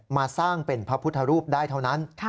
มาสร้างเป็นพระพุทธรูปได้เท่านั้น